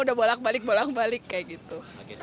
udah bolak balik bolak balik kayak gitu